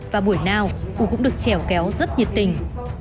và buổi nào cụ cũng được trèo kéo rất nhiệt tình